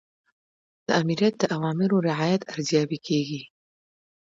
د آمریت د اوامرو رعایت ارزیابي کیږي.